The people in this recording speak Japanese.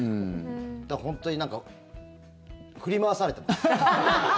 本当に振り回されてます。